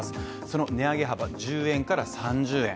その値上げ幅、１０円から３０円。